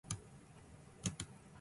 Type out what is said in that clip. つつ